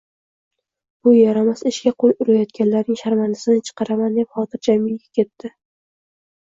Bu yaramas ishga qo`l urayotganlarning sharmandasini chiqaraman deb xotirjam uyiga ketdi